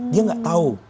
dia tidak tahu